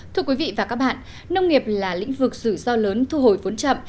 thưa quý vị và các bạn nông nghiệp là lĩnh vực dự do lớn thu hồi vốn chậm